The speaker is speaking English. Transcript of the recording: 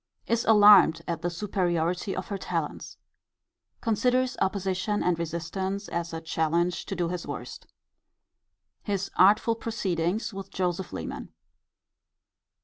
Is alarmed at the superiority of her talents. Considers opposition and resistance as a challenge to do his worst. His artful proceedings with Joseph Leman.